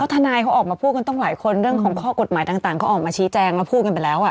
ทนายเขาออกมาพูดกันต้องหลายคนเรื่องของข้อกฎหมายต่างเขาออกมาชี้แจงแล้วพูดกันไปแล้ว